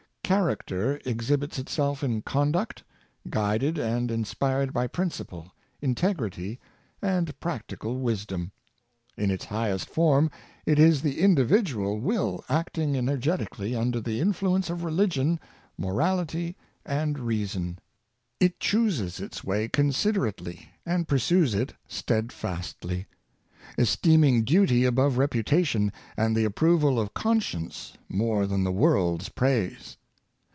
Character exhibits itself in conduct, guided and in spired by principle, integrity and practical wisdom. In its highest form, it is the individual will acting energe tically under the influence of religion, morality and rea son. It chooses its way considerately, and pursues it steadfastly; esteeming duty above reputation, and the approval of conscience more than the world's praise.